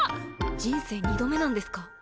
人生２度目なんですか？